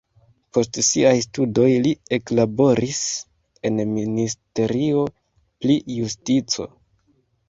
Post siaj studoj li eklaboris en ministerio pri justico.